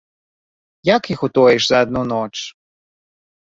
Як іх утоіш за адну ноч?